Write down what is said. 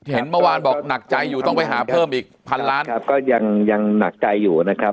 เห็นเมื่อวานบอกหนักใจอยู่ต้องไปหาเพิ่มอีกพันล้านก็ยังหนักใจอยู่นะครับ